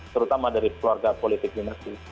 terutama dari keluarga politik dinasti